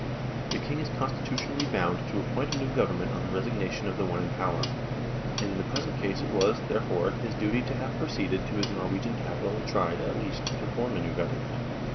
The King is constitutionally bound to appoint a new Government on the resignation of the one in power, and in the present case it was, therefore, his duty to have proceeded to his Norwegian capital and tried, at least, to form a new Government.